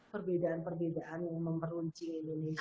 perbedaan perbedaan yang memeruncing indonesia